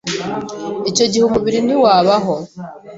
icyo gihe umubiri ntiwabaho.